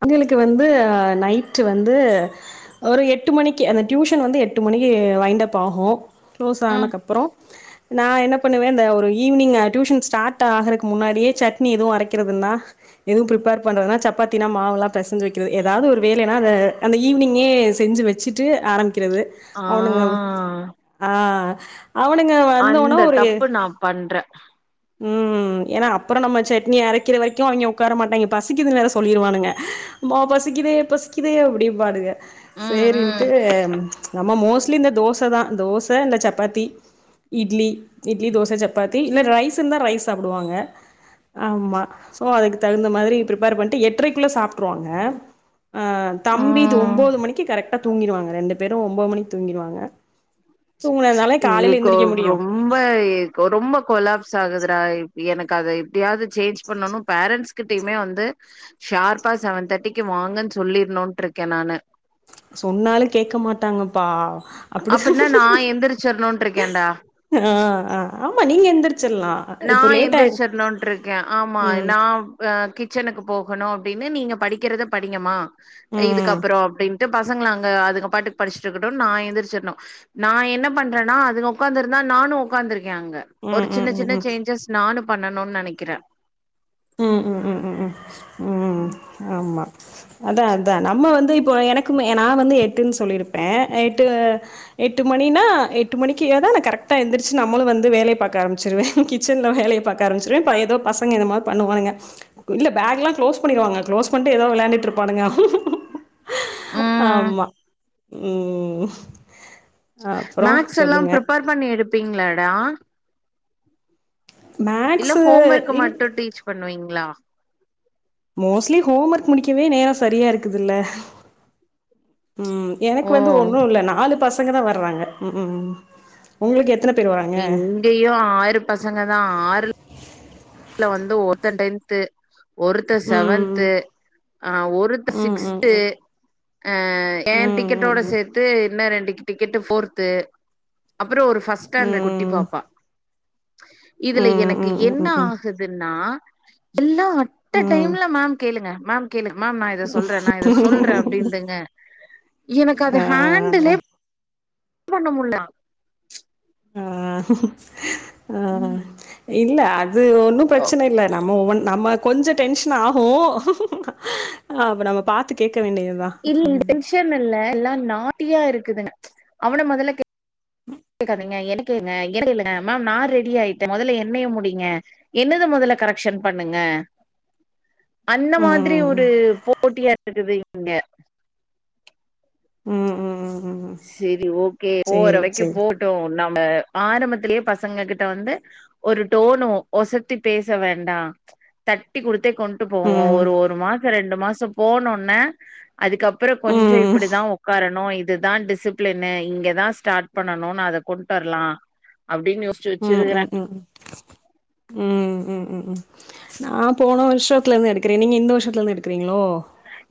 அவுங்களுக்கு வந்து அ நைட்டு வந்து ஒரு எட்டு மணிக்கு அந்த டியூஷன் வந்து எட்டு மணிக்கு வைன்டுஅப் ஆகு குளோஸ் ம் ஆனக்கப்பறோ நா என்ன பண்ணுவ இந்த ஒரு ஈவினிங் அ டியூஷன் ஸ்டார்ட் ஆகறக்கு முன்னாடியே சட்னி எதும் அரைக்கிறதுனா எதும் பிரிப்பேர் பண்றதுனா சப்பாத் தினா மாவெல்லா பெசஞ்சி வைக்கிறது ஏதாது ஒரு வேலனா அத அந்த ஈவினிங்கே செஞ்சு வச்சிட்டு ஆரம்பி க்கிறது ஆ அவனுங்க ஆ அவனுங்க வந்தோனா அந்த ஒரு தப்பு நா பண்றே ம் ஏனா அப்பறோ நம்ம சட்னி அரக்கிற வரைக்கு அவிங்க உக்கார மாட்டாங்க பசிக்குதுனு வேற சொல்லிருவானுங்க அம்மா பசிக்கிதே பசிக்கிதே அப்டிம்பானுங்க ம் ம் சேரின்ட்டு நம்ம மோஸ்ட்லி இந்த தோசதா தோச இல்ல சப்பாத்தி இட்லி இட்லிதோச சப்பாத்தி இல்ல ரைஸ் இருந்தா ரைஸ் சாப்டுவாங்க ஆமா சோ அதுக்கு தகுந்த மாரி பிர்ப்பேர் பண் ட்டு எட்டரைக்குள்ள சாப்ட்ருவாங்க அ தம்பி இது ம் ஒம்போது மணிக்கு கரெக்ட் டா தூங்கிடுவாங்க ரெண்டு பேரு ஒம்போது மணிக்கு தூங்கிடுவாங்க தூங்குனானால காலைல இதுக்கு எந்திரிக்க முடியு ரொம்ப ரொம்ப கொலாப்ஸ் ஆகுதுறா எனக்கு அத எப்டியாது சேஞ்ச் பண்ணனு பேரண்ட்ஸ்கிட்டயுமே வந்து ஷார்ப்பா செவன் தேர்ட்டிக்கு வாங்கன்னு சொல்லிருனுனுட்ருக்கே நானு சொன்னாலு கேக்க மாட்டாங்கப்பா அப்டிதான் அப்டின்னா நா எந்திரிச்சிரணுனு இருக்கேன்டா ஆ ஆ ஆமா நீங்க எந்திரிச்சிலா நா இப்போ லேட்டா எ, எந்திரிச்சிரணுன்ட்ருக்கே ஆமா ம் நா அ கிச்சனுக்கு போகணு அப்டின்னு நீங்க படிக்கிறத படிங்கமா ம் இதுக்கப்பறோ அப்டின் ட்டு பசங்கள அங்க அதுங்க பாட்டுக்கு படிச்சுட்டு இருக்கட்டுனு நா எந்திரிச்சருனு நா என்ன பண்றேனா அதுங்க உக்காந்துருந்தா நானு உக்காந்துருக்கே அங்க ம் ஒரு ம் சின்ன ம் சின்ன ம் சேஞ்சஸ் நானு பண்ணனுனு நெனைக்கிறே ம், ம், ம், ம், ம், ஆமா அதா அதா நம்ம வந்து இப்போ எனக்குமே நா வந்து எட்டுன்னு சொல்லியிருப்பே ஆ எட்டு எட்டு மணினா எட்டு மணிக்கி ஏதா நா கரெக்டா எந்திரிச்சு நம்முளு வந்து வேலய பாக்க ஆரம்ச்சுருவே கி ச்சன்ல வேலய பாக்க ஆரம்ச்சிருவ ப எதோ பசங்க எதுமா பண்ணுவானுங்க இல்ல பேக் எல்லா க்ளோஸ் பண்ணிருவாங்க க்ளோஸ் பன்ட்டு எதோ வெளையாண்ட்டுட் இருப்பானுங்க ம் ஆமா ம் அப்றோ சொல்லுங்க இது பண்ணி எடுப்பீங்ளாடா இல்ல மேக்ஸு ஹோம் ஒர்க்கு இல் மட்டு டீச் பண்ணுவீங்ளா மோஸ்ட்லி ஹோம் ஒர்க் முடிக்கவே நேரோ சரியா இருக்குதுல்ல ம் எனக்கு ஓ வந்து ஒன்னு இல்ல நாலு பசங்கதா வர்றாங்க ம் ம் உங்ளுக்கு எத்தன பேரு வராங்க இங்கயு ஆறு பசங்கதா ஆறு ல வந்து ஒருத்த டென்த்து ஒருத்த செவன்த்து ம் ஆ ஒருத்த ம் ம் சிக்ஸ்த்து ம் அ யேன் டிக்கட்டோட ம் சேத்து இன்ன ரெண்டு டிக்கட்டு ஃபோர்த்து அப்றோ ஒரு ஃபஸ்ட் ம் ம் ஸ்டாண்டர்ட் குட்டி பாப்பா ம் இதுல ம் எனக்கு ம் ம் என்ன ம் ம் இதுன்னா எல்லா அட்ட ம் டைம்ல மேம் கேளுங்க மேம் கேளு மேம் நா இத சொல்ற நா இத சொல்ற அப்டின்டுங்க எனக்கு அத ஆ ஹேண் டிலே பண்ண முடில நா ம் ம் இல்ல அது ஒன்னு பிரச்சன இல்ல நம்ம ஒவ்வொன் நம்ம கொஞ்சோ டென்ஷன் ஆகு அப்ப நம்ம பாத்து கேக்க வேண்டியதுதா இல்ல இது ம் டென்ஷன் இல்ல எல்லா நாட்டியா இருக்குதுங்க அவன மொதல்ல கே க்காதீங்க என்ன கேளுங்க என்ன கேளுங்க மேம் நா ரெடி ஆயிட்டே மொதல்ல என்னய முடிய்ங்க என்னுத மொதல்ல கரெக்ஷன் பண்ணுங்க அந்த ம் மாதிரி ஒரு போட்டியா இருக்குது இங்க ம் ம் ம் ம் செரி ஓகே போற சேரி வரைக்கு சேரி போகுட்டு நம்ம ஆரம்பத்திலயே பசங்ககிட்ட வந்து ஒரு டோனு ஒசத்தி பேச வேண்டா தட்டி குடுத்தே கொண்ட்டு போவோ ம் ஒரு ஒரு மாசோ ரெண்டு மாசோ போனோன்னே அதுக்கப் பறோ கொஞ்சோ ம் இப்பிடிதா உக்காரணு இது தா டிசிப்ளினு இங்கதா ஸ்டார்ட் பண்ணனுன்னு அத கொண்ட்டு வரலா அப்டின்னு யோ ம் ம் ம் ம் ம் ம் ம் ம் நா போன வருஷத்துல இருந்து எடுக்கிறே நீங்க இந்த வருஷத்துல இருந்து எடுக்கிறீங்களோ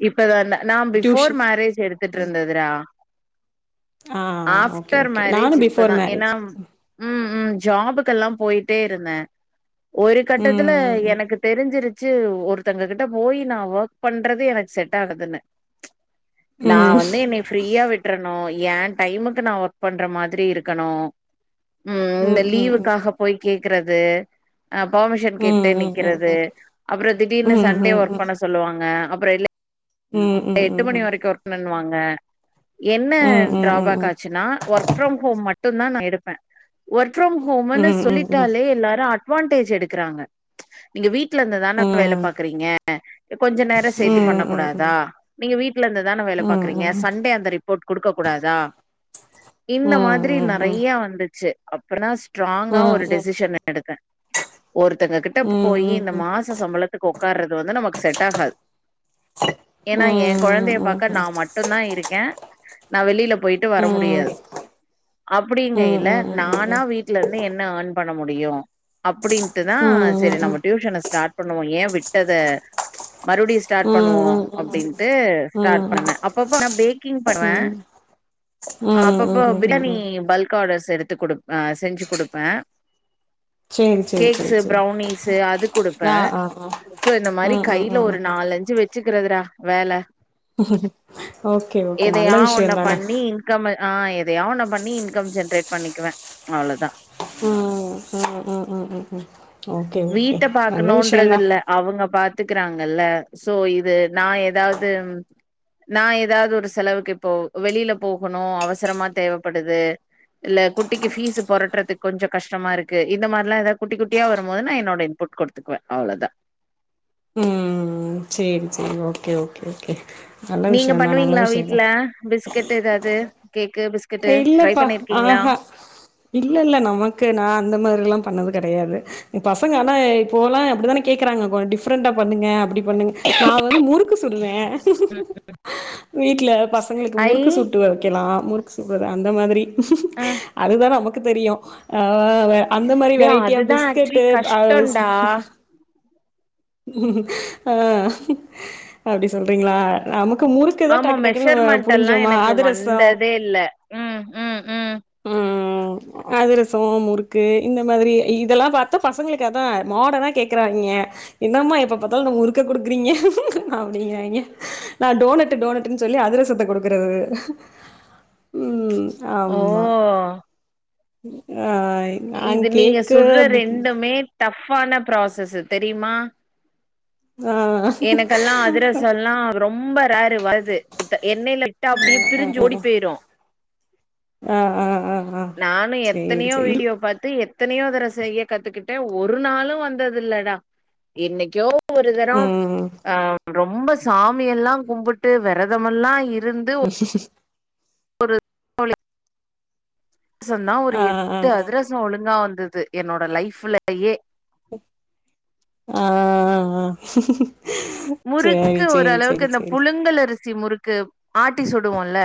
இப்பதா ந நா பிஃபோர் மேரேஜ் எடுத்துட்டு இருந்ததுடா ஆஃப்டர் மேரேஜ் இப்பதா ஏன்னா ம் ம் ஜாபுக்கெல்லா போயிட்டே இருந்தே ஒரு கட்டத்துல எனக்கு தெரிஞ்சிருச்சி ஒருத்தங்க கிட்ட போய் நா ஒர்க் பண்றது எனக்கு செட் ஆகாதுன்னு நா வந்து என்னய ஃப்ரீயா விட்ரனு யேன் டைமுக்கு நா ஒர்க் பண்ற மாதிரி இருக்கணு ம் இந்த லீவுக்காக போய் கேக்குறது ஆ பர்மிஷன் கேட்டு நிக்கிறது அப்றோ திடீர்னு சண்டே ஒர்க் பண்ண சொல்லுவாங்க அப்றோ இல்ல எட்டு மணி வரைக்கு ஒர்க் பண்ணுன்னுவாங்க என்ன ட்ராபேக் ஆச் ச்ன்னா ஒர்க் ஃப்ரம் ஹோம் மட்டூ தா நா எடுப்பே ஒர்க் ஃப்ரம் ஹோம்ன்னு சொல்லிட்டாலே எல்லாரு அட்வான்டேஜ் எடுக்குறாங்க நீங்க வீட்டு்ல இருந்துதான வேல பாக்குறீங்க கொஞ்சோ நேரோ சேத்தி பண்ண கூடாதா நீங்க வீட்டுல இருந்துதான வேல பாக்குறீங்க சண்டே அந்த ரிப்போர்ட் குடுக்க கூடாதா இந்த மாரி நறைய வந்துச்சி அப்பர்தா ஸ்ட்ராங்கா ஒரு டிசிஷன் எடுத்தே ஒருத்தங்க கிட்ட போய் இந்த மாச சம்பளத்துக்கு உக்காறது வந்து நமக்கு செட் ஆகாது ஏன்னா என் கொழந்தைய பாக்க நா மட்டு தா இருக்கே நா வெளியில போயிட்டு வர முடியாது அப்டிங்கைல நானா வீ ட்ல இருந்து என்ன ஆர்ன் பண்ண முடியு அப்டின்ட்டுதா செரி நம்ம டியூஷன ஸ்டார்ட் பண்ணுவோ ஏ விட்டத மறுபுடியு ஸ்டார்ட் பண்ணுவோ அப்டின்ட்டு ம் ஸ்டார்ட் ம் பண்ணே அப்பப்ப நா பேக்கிங் பண்ணுவே ம் ம் ம் அப்பப்போ ம் ம் பிரியாணி ம் பல்க் ஆர்டர்ஸ் எடுத்து குடு செஞ்சி குடுப்பே சேரி சேரி சேரி கேக்ஸு சேரி ப்ரௌனிஸு அது ஆ குடுப்பே ஆ ஆ சோ இந்த மாரி ம் ம் கையில ம் ம் ஒரு ம் நால் அஞ்சி வெச்சிக்கருதுடா வேல ஓகே ஓகே நல்ல எதையா ஒன்ன விஷயம் தான பண்ணி இன்கம் ஆ எதையா ஒன்ன பண்ணி இன்கம் ஜென்ரேட் பண்ணிக்குவே அவ்ளோதா ம் ம் ம் ம் ம் ஓகே ஓகே நல்ல விஷயோதா அவுங்க பாத்துக்குறாங்கல்ல சோ இது நா ஏதாவது நா ஏதாவது ஒரு செலவுக்கு இப்போ வெளில போகணு அவசரமா தேவைப்படுது இல்ல குட்டிக்கு ஃபீஸ் புரட்டுறதுக்கு கொஞ்ச கஷ்டமா இருக்கு இந்த மாரிலா ஏதாது குட்டி குட்டியா வரும்போது நா என்னோட இன்புட் குடு த்துக்குவே அவ்ளதா ம் ம் சேரி சேரி ஓகே ஓகே ஓகே நல்ல நீங்க விஷயந்தா நல்ல பண்ணுவீங்ளா விஷயந்தா வீட்டுல பிஸ்கெட் ஏதாவது கேக்கு பிஸ் இல்லப்பா ஆ ஹா இல்ல இல்ல நமக்கு நா அந்த மாரிலா பண்ணது கெடையாது பசங்கனா இப்போல்லா அப்டித்தானே கேக்குறாங்க டிஃப்ரெண்டா பண்ணுங்க அப்டி பண்ணுங்க நா வந்து முறுக்கு சுடுவே ம். வீட்டுல பசங்களுக்கு ஐ முறுக்கு சுட்டு வக்கலா முறு க்கு சுட்றது அந்த மாதிரி அ அதுதா நமக்கு தெரியு அந்த மாரி டே வெறைட்டியா அதுதான் ஆக்சுவலி பிஸ்கெட்டு கஷ்டம்டா. ஆ அப்டி சொல்றீங்களா நமக்கு முறு ஆமா மெஷர்மெண்ட் எல்லா எனக்கு அதிரசோ வந்ததே இல்ல ம் ம் ம் ம் அதிரசோ முறுக்கு இந்த மாதிரி இதெல்லா பாத்தா பசங்களுக்கு அதா மாடனா கே க்குறாங்கே என்னம்மா எப்ப பாத்தாலும் இந்த முறுக்க கொடுக்குறீங்க அப்டிங்கிறாய்ங்க நா டோனட் டோனட் னட்டு சொல்லி அதிரசத்த கொடுக்குறது ஓ ஆ நாங் இது நீங்க கேக்கு சுட்ற ரெண்டுமே டஃப்ஃபான ப்ராசஸ்ஸு தெரியுமா ஆ எனக்கெல்லா அதிரசோ எல்லா ரொம்ப ரேரு வருது எண்ணெயில போட்டா அப்டியே ஆ ஆ பிரிஞ்சு ஓடி போயிரும் ஆ ஆ ஆ ஹா நானு எத்தனையோ வீடியோ பாத்து எத் எத்தனையோ தடவ செய்ய கத்துக்கிட்டே ஒரு நாளு வந்தது இல்லடா இன்னைக்கோ ஒரு தரம் ம் ஆ ரொம்ப சாமியெல்லா கும்பிட்டு விரதமெல்லா இருந்து ஒரு [unintelligible] தோழி சொன்னா ஒரு ஆ ஆ எட்டு அதிரச ஒழுங்கா வந்ததுஎன்னோட லைஃப்புலயே உ ஆ ஆ முறுக்கு சேரி சேரி ஓரளவுக்கு சேரி இந்த சேரி புழுங்கலரிசி முறுக் ஆட்டி சுடுவோல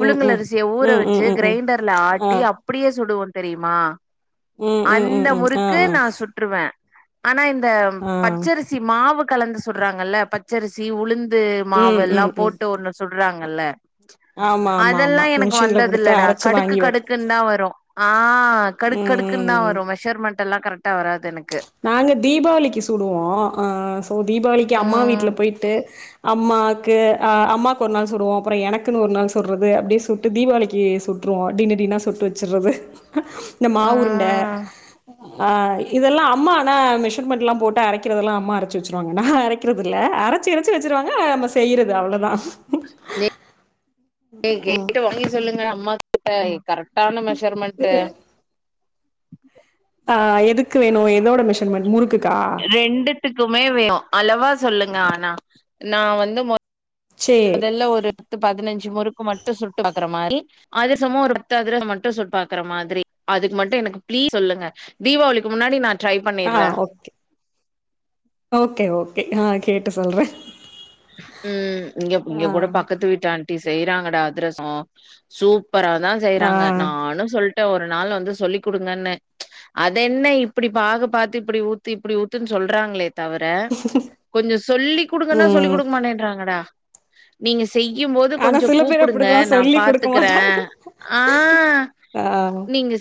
ம் ம் ஊற ம் ம் வச்சு ம் ம் கிரைண்டர்ல ஆ ஆட்டி அப்டியே சுடுவோ தெரியுமா ம் ம் ம் அந்த ம் ஆ முறுக்கு ஆ நா சுட் றுவே ஆனா இந்த ஆ பச்சரிசி மாவு கலந்து சுட்றாங்கல்ல பச் பச்சரிசி உளுந்து மாவு ம் எல்லா ம் ம் போட்டு ஒண்ணு சுட்றாங்கல்ல ஆமா ஆமா அதெல்லா ஆமா எனக்கு மிஷின்ல வந்தது குடுத்து இல்லடா அரச்சு கடுக்கு வாங்கி வெப்போ கடுக்குன் தா வரும் ஆ ம் கடுக்டுக்குன்னு தா ம் வரும் மெஷர்மெண்ட் எல்லா கரெக்டா வராது எனக்கு நாங்க தீபாவளிக்கு சுடுவோ ஆ சோ தீபாவளிக்கு அம்மா ம் வீட்ல போயிட்டு அம்மாக்கு அ அம்மாவுக்கு ஒரு நாள் சுடுவோ அப்றோ எனக்குன்னு ஒரு நாள் சுடட்றது அப்டினு சுட் ட்டு தீபாவளிக்கு சுட்ருவோம் டின் டினா சுட்டு வச்சுறது இந்த மா உருண்டை ம் அ இதெல்லா அம்மா ஆனா மெஷர்மெண்ட் எல்லா போட்டு அரைக்கறதெல்லா அம்மா அரச்சு வச்சிருவாங்க நா அரைக்கிறது இல்ல அரச்சு அரச்சு வச்சுருவாங்க அ மெஷ் செய்றது அவ்ளோதா ப்ளே நீ கேட்டு வாங்கி சொல்லுங்க அம்மாக்கிட்ட ஏ கரெக்டான மெஷர்மெண்ட்டு ஆ எதுக்கு வேணு எதோட மெஷர்மெண்ட் முறுக்குக்கா ரெண்டுத்துக்குமே வேனும் அளவா சொல்லுங்க ஆனா நா வந்து மொத் சேரி மொதல்ல ஒரு பத்து பதினஞ்சு முறுக்கு மட்டு சுட்டு பாக்குற மாறி அதிரசமு ஒரு பத்து அதிரசம் மட்டும் சுட் பாக்குற மாதிரி அதுக்கு மட்டு எனக்கு பிளீஸ் சொல்லுங்க தீபாவளிக்கு முன்னாடி நானு ஆ ஓகே ஓகே ஓகே ஆ கேட்டு சொல்றே உம் இங்க இங்க கூட பக்கத்து வீட்டு ஆண்ட் ட்டி செய்றாங்கடா அதிரசோ சூப்பரா தா செய்யறாங்க ஆ நானு சொல்ட் ட்ட ஒரு நாள் வந்து சொல்லி் குடுங்கன்னு அது என்ன இப்டி பாகு பாத்து இப்டி ஊத்து இப்டி ஊத்துன்னு சொல்றாங்களே தவர கொஞ்சோ சொல்லி குடுங்கன்னா சொல்லி் ம் குடுங்கமாட்றாங்கடா நீங்க செய்யும் போது ஆனா கொஞ்சோம் சில பேர் கூப்டுங்க அப்டிதா நா சொல்லி குடுக்க பாத்துக்றே மாட்டாங்க ஆ ஆ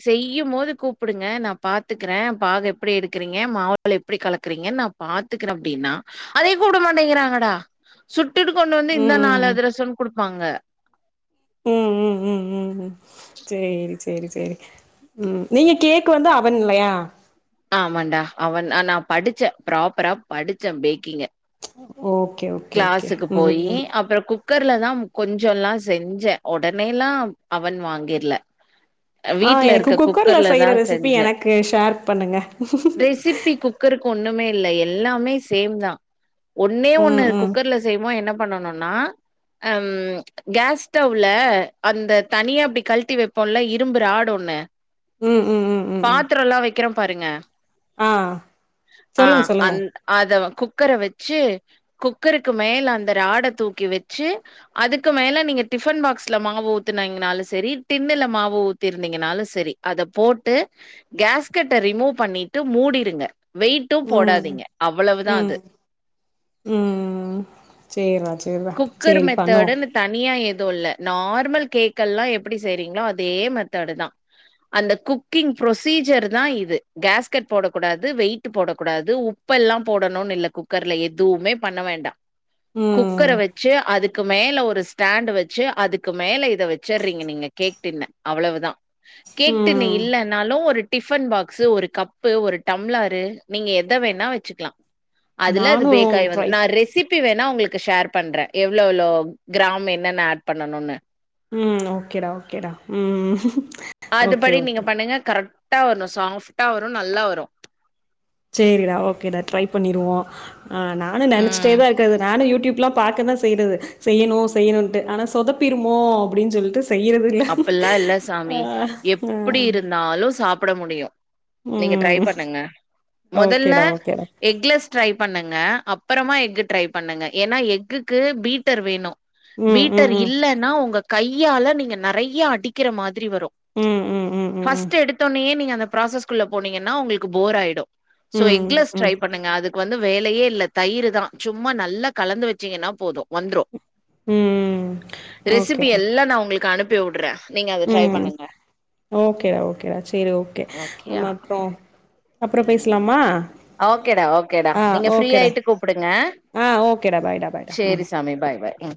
செய்யும் போது கூப்டுங்க நா பாத்துக்றே பாகு எப்டி எடுக்றீங்க மாவு எப்டி கலக்குறீங்க நா பாத்துக்றே அப்டின்னா அதே கூப்ட மாட்டேங்றாங்க தா சுட்டுட்டு கொண்டு வந்து இந்தா நாலு ம் அதிரசம்னு குடுப்பாங்க உம் உம் உம் உம் உம் சேரி சேரி சேரி உம் நீங்க கேக்கு வந்து அவன் இல்லயா ஆமாண்டா அவன் நா படுச்சே ப்ராப்பரா படுச்சே பேக்கிங்க ஓகே ஓ க்ளாஸுக்கு போயி அப்றோ குக் கர்லதாம் கொஞ்சொல்லா செஞ்சே ஒடனேல்லாம் அவன் வாங்கீர்ல அ ஆ வீட்ல எனக்கு இருக்க குக்கர்ல குக்கர்லதா செய்ற ரெசிபி செஞ்சே எனக்கு ஷேர் பண்ணுங்க ரெசிப் பி குக்கருக்கு ஒண்ணுமே இல்ல எல்லாமே சேம்தா ஒண்ணே ஒண்ணு ம் ம் மா என்ன பண்ணணுன்னா அம் கேஸ் ஸ்டவ்ல அந்த தனியா அப்டி கழட்டி வைப்போல்ல இரும்பு ராட் ஒன்னு உம் உம் உம் உம் பாத்ரோல்லா வைக்கிறே பாருங்க ஆ ஆ சொல்லுங்க சொல்லுங்க அந் அத குக்கர வச்சி குக்கருக்கு மேல அந்த ராட தூக்கி வச்சி அதுக்கு மேல நீங்க டிஃபன் பாக்ஸ்ல மாவு ஊத்துனைங்கனாலு சரி டின்னுல மாவ ஊத் திருந்தீங்கனாலு செரி அத போட்டு கேஸ்கட்ட ரிமூவ் பண்ணிட்டு மூடிருங்க வெயிட்டு ம் போடாதீங்க அவ்வளவுதா அது ம் ம் சேர்ரா சேர்ரா குக்கர் சேரி பண்ணுவோ மெத்தடுன்னு தனியா எதுவு இல்ல நார்மல் கேக்கெல்லா எப்டி செய்றீங்ளோ அதே மெத்தேடுதா அந்த குக்கிங் ப்ரொசீஜர்தா இது கேஸ்கெட் போடக்கூடாது வெயிட்டு போட கூடாது உ உப்பெல்லா போடணுனில்ல குக்கர்ல எதுவுமே பண்ண வேண்டா ம் குக்கர வெச் சி அதுக்கு மேல ஒரு ஸ்டாண்ட் வச்சி அதுக்கு மேல இத வச்சிர்றீங்க நீங்க கேக் டின்ன அவ்வளவுதா கேக் டின்னு ம் இல்லனாலும் ஒரு டிஃபன் பாக்ஸு ஒரு கப்பு ஒரு டம்ளாரு நீங்க எத வேணா வச்சுக்லா அதுல அது நானு பேக்காய் வந் ட்ரை நா ரெஸிப் பி வேணா உங்களுக்கு ஷேர் பண்றே எவ்ளோளோ கிராம் என்னென்ன ஆட் பண்ணணுன்னு ம் ஓகேடா ஓகேடா ம் ஓகே ஓகே னுங்க கரெட் டா வர்னு சாஃப்டா வரு நல்லா வரு சேரிடா ஓகேடா ட்ரை பண்ணிருவோ ஆ நானு ம் நெனச்சிட்டேதா இருக்கே அது நானு யூடியூப்லா பாக்கதா செ செய்டது செய்யணூ செய்யணுன்ட்டு ஆனா சொதப்பிருமோ அப்டின் சொல்ட்டு செய்யிறது அப்புல்லா இல்ல சாமி ஆ எப்டி இருந்தாலு சாப்புட முடியு நீங்க ட்ரை ம் பண்ணுங்க மொதல்ல ஓகேடா ஓகேடா எக்லஸ் ட்ரை பண்ணுங்க அப்பறமா எக்கு ட்ரை பண்ணுங்க ஏனா எக்குக்கு பீட்டர் வேணு ம் ம் பீட்டர் ம் இல்லன்னா உங்க கையால நீங்க நெறையா அடிக்கிற மாரி வரு ம் ம் ம் ம் ஃபர்ஸ்ட் எடுத்தோனயே நீங்க அந்த ப்ராசஸ்குள்ள போனீங்கன்னா ஒங்களுக்கு போர் ஆயிடு சோ ம் எக்லஸ் ட்ரை ம் பண்ணுங்க அது வந்து வேலையே இல்ல தயிருதா சும்மா நல்லா கலந்து வச்சீங்கன்னா போது வந்துரூ ம் ம் ரெசிபி ஓகேடா எல்லா நா உங்களுக்கு அனுப்பி உட்றே ம் ஓகேடா ஓகேடா சேரி ஓகே ஓகேயா? ஆமா அப்றோ அப்றோ பேசலாமா ஓகேடா ஓகேடா ஆ நீங்க ஓகேடா ஃப்ரீயாயிட்டு கூப்டுங்க ஆ ஓகேடா பாய்டா பாய்டா ம் சேரி சாமி பாய் பாய் ம்